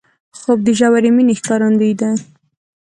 خوب د ژورې مینې ښکارندوی دی